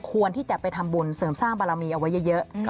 ควรที่จะไปทำบุญเสริมสร้างบารมีเอาไว้เยอะ